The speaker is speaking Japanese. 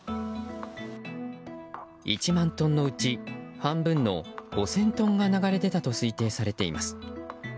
１万トンのうち半分の５０００トンが流れ出たと推定されています。